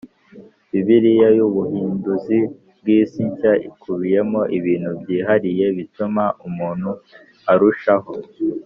Bibiliya y Ubuhinduzi bw isi nshya ikubiyemo ibintu byihariye bituma umuntu arushaho